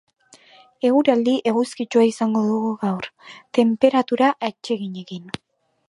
Eguraldi eguzkitsua izango dugu gaur, tenperatura atseginekin.